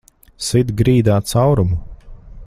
Sit grīdā caurumu!